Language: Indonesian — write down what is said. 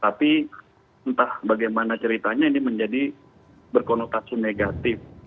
tapi entah bagaimana ceritanya ini menjadi berkonotasi negatif